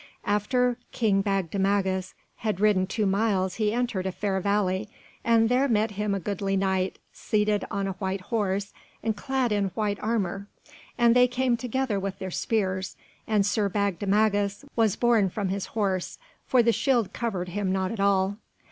After King Bagdemagus had ridden two miles he entered a fair valley, and there met him a goodly Knight seated on a white horse and clad in white armour. And they came together with their spears, and Sir Bagdemagus was borne from his horse, for the shield covered him not at all.